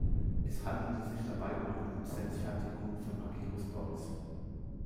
Es handelte sich dabei um eine Lizenzfertigung von Magirus-Deutz.